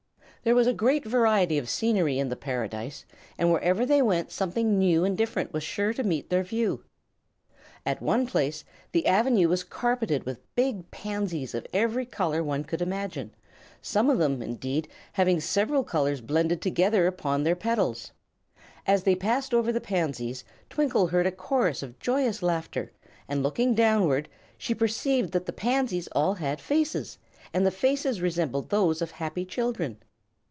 There was a great variety of scenery in the Paradise, and wherever they went something new and different was sure to meet their view. At one place the avenue was carpeted with big pansies of every color one could imagine, some of them, indeed, having several colors blended together upon their petals. As they passed over the pansies Twinkle heard a chorus of joyous laughter, and looking downward, she perceived that the pansies all had faces, and the faces resembled those of happy children.